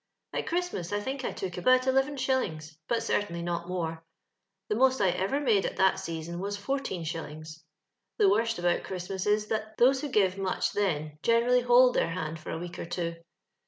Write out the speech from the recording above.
At Christmas, I think I took about eleven shillinp^s, but certainly not more. The most I ever iund<3 at that season was four teen shillings. 'I'hc worst about Christmas is, that those who give much then generally hold tlieir hand for a week or two.